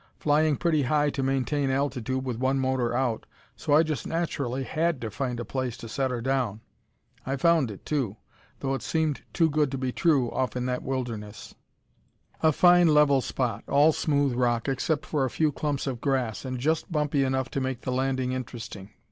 Flying pretty high to maintain altitude with one motor out, so I just naturally had to find a place to set her down. I found it, too, though it seemed too good to be true off in that wilderness. "A fine level spot, all smooth rock, except for a few clumps of grass, and just bumpy enough to make the landing interesting.